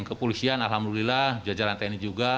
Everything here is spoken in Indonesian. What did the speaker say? kepolisian alhamdulillah jajaran tni juga